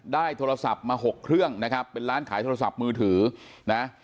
ได้โทรศัพท์มาหกเครื่องนะครับเป็นร้านขายโทรศัพท์มือถือนะ